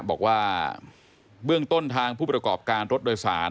บอกว่าเบื้องต้นทางผู้ประกอบการรถโดยสาร